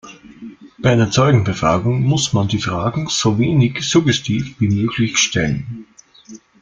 Bei einer Zeugenbefragung muss man die Fragen so wenig suggestiv wie möglich stellen.